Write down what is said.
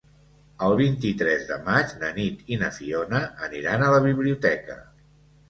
El vint-i-tres de maig na Nit i na Fiona aniran a la biblioteca.